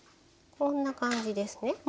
こんな感じですね。